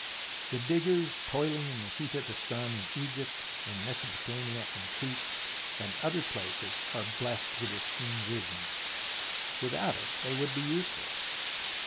The diggers toiling in the heat of the sun in Egypt and Mesopotamia and Crete and other places are blessed with this keen vision. Without it they would be useless.